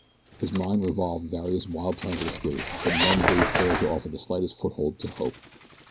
His mind revolved various wild plans of escape; but none bade fair to offer the slightest foothold to hope.